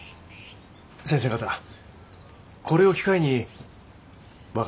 先生方これを機会に我が